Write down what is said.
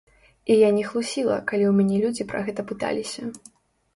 І я не хлусіла, калі ў мяне людзі пра гэта пыталіся.